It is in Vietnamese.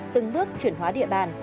từng bước chuyển hóa địa bàn